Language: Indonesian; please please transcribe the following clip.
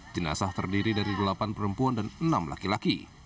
jenazah terdiri dari delapan perempuan dan enam laki laki